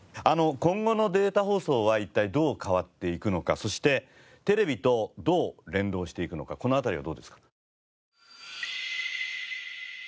今後のデータ放送は一体どう変わっていくのかそしてテレビとどう連動していくのかこの辺りはどうですか？